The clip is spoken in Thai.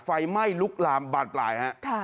ไฟไหม้ลุกลามบานปลายฮะ